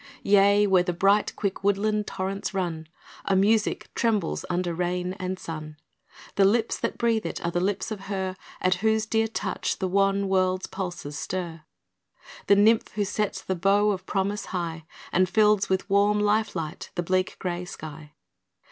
Yea, where the bright, quick woodland torrents run, A music trembles under rain and sun. The lips that breathe it are the lips of her At whose dear touch the wan world's pulses stir The nymph who sets the bow of promise high And fills with warm life light the bleak grey sky.